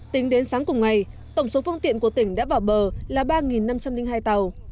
tính đến sáng cùng ngày tổng số phương tiện của tỉnh đã vào bờ là ba năm trăm linh hai tàu